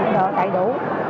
đồ đầy đủ